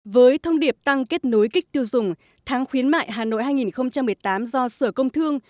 với thông điệp tăng kết nối kích tiêu dùng tháng khuyến mại hà nội hai nghìn một mươi tám do sở công thương